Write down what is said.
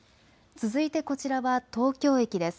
続いてこちらは東京駅です。